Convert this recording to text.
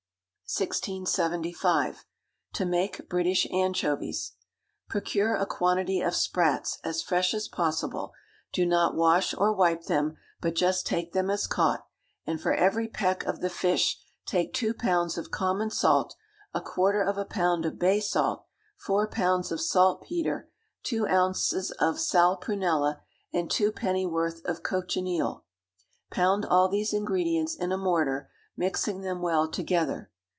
1675. To Make British Anchovies. Procure a quantity of sprats, as fresh as possible; do not wash or wipe them, but just take them as caught, and for every peck of the fish take two pounds of common salt, a quarter of a pound of bay salt, four pounds of saltpetre, two ounces of salprunella, and two pennyworth of cochineal. Pound all these ingredients in a mortar, mixing them well together.